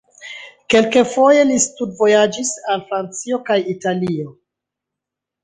Kelkfoje li studvojaĝis al Francio kaj Italio.